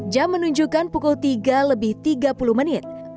jam menunjukkan pukul tiga lebih tiga puluh menit